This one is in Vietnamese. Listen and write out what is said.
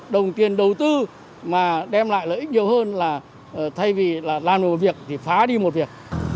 đồng tiền đầu tư mà đem lại lợi ích nhiều hơn là thay vì là làm một việc thì phá đi một việc